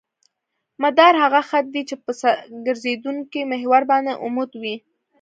مدار هغه خط دی چې په ګرځېدونکي محور باندې عمود وي